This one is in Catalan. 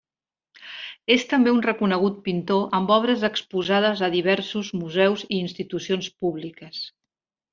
És també un reconegut pintor amb obres exposades a diversos museus i institucions públiques.